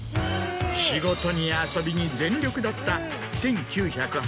仕事に遊びに全力だった。